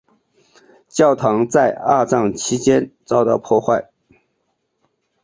教堂在二战期间遭到破坏。